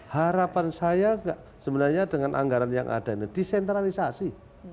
harapan saya sebenarnya dengan anggaran yang ada ini disentralisasi